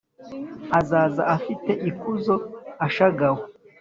Azaza afite ikuzo ashagawe